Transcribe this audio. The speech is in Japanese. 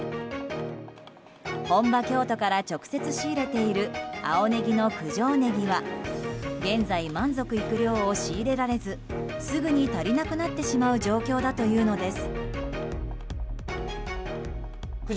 本場・京都から直接仕入れている青ネギの九条ネギは現在、満足いく量を仕入れられずすぐに足りなくなってしまう状況だというのです。